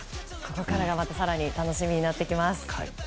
ここからがまた更に楽しみになってきます。